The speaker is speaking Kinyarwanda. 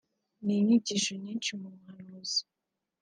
n’inyigisho nyinshi mu buhanuzi